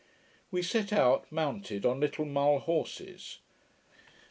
We set out, mounted on little Mull horses.